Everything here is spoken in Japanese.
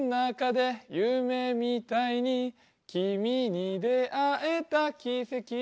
「夢みたいに君に出逢えたキセキ」